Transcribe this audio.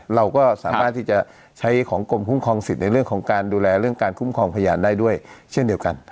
เราก็สามารถที่จะใช้ของกรมคุ้มครองสิทธิ์ในเรื่องของการดูแลเรื่องการคุ้มครองพยานได้ด้วยเช่นเดียวกัน